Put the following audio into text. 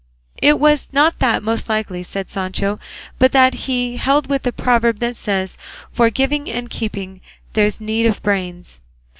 "It was not that, most likely," said Sancho, "but that he held with the proverb that says, 'For giving and keeping there's need of brains.